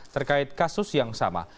terkait kasus yang sama